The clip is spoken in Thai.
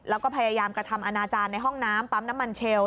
แล้วก็พยายามกระทำอนาจารย์ในห้องน้ำปั๊มน้ำมันเชลล